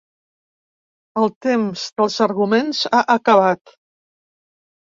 El temps dels arguments ha acabat.